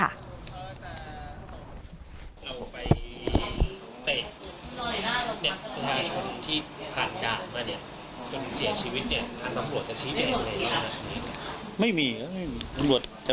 เราไปเตะเนี่ยตรงนี้คนที่ผ่านด่านมาเนี่ย